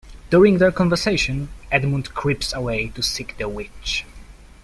During their conversation, Edmund creeps away to seek the Witch.